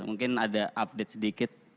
mungkin ada update sedikit